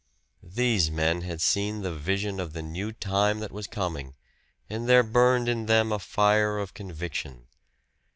These men had seen the vision of the new time that was coming, and there burned in them a fire of conviction.